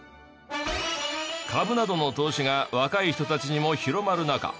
株などの投資が若い人たちにも広まる中。